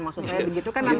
maksud saya begitu kan